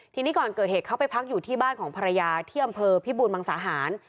ทีนี้ก่อนเกิดเหตุเขาไปพักอยู่ที่บ้านของภรรยาที่อำเภอพิบูรมังสาหาร